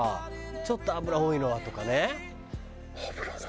ちょっと油多いのはとかね。